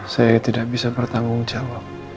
saya tidak bisa bertanggung jawab